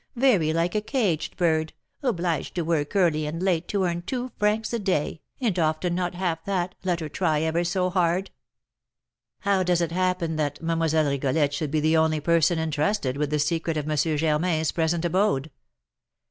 very like a caged bird, obliged to work early and late to earn two francs a day, and often not half that, let her try ever so hard." "How does it happen that Mlle. Rigolette should be the only person entrusted with the secret of M. Germain's present abode?"